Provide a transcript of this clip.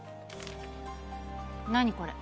何これ？